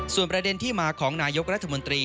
ส่วนประเด็นที่มาของนายกรัฐมนตรี